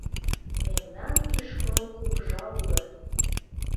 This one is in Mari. Мемнан Кишкон Кугыжа уло!